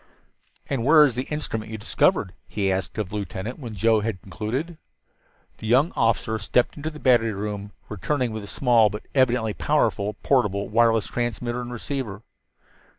"And where is the instrument that you discovered?" he asked of the lieutenant when Joe had concluded. The young officer stepped into the battery room, returning with a small, but evidently powerful, portable wireless transmitter and receiver.